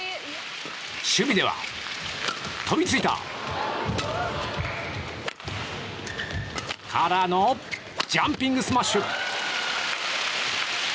守備では、飛びついた！からのジャンピングスマッシュ！